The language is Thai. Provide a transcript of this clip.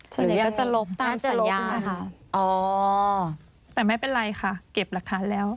ส่วนใหญ่ก็จะลบตามสัญญาค่ะอ๋อแต่ไม่เป็นไรค่ะเก็บหลักฐานแล้ว